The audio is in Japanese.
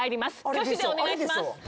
挙手でお願いします。